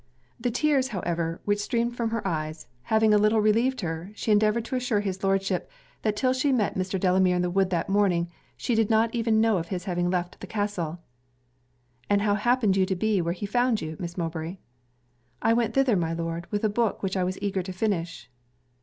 The tears however, which streamed from her eyes, having a little relieved her, she endeavoured to assure his Lordship, that till she met Mr. Delamere in the wood that morning, she did not know even of his having left the castle. 'And how happened you to be where he found you, Miss Mowbray?' 'I went thither, my Lord, with a book which I was eager to finish.'